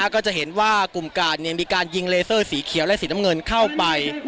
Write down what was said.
ก็จะเห็นว่ากลุ่มกาดมีการยิงเลเซอร์สีเขียวและสีน้ำเงินเข้าไป